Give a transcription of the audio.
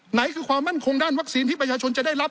ไหนคือความมั่นคงด้านวัคซีนที่ประชาชนจะได้รับ